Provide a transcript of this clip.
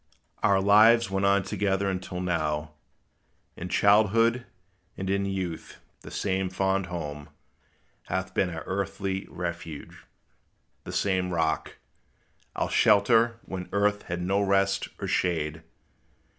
Our lives went on together until now. In childhood and in youth the same fond home Hath been our earthly refuge; the same Rock Our shelter when earth had no rest or shade.